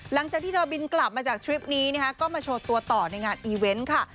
หลังจากที่เธอบินกลับมาจากทริปนี้นะคะก็มาโชว์ตัวต่อในงานอีเวนต์ค่ะ